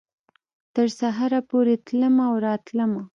تر سهاره پورې تلمه او راتلمه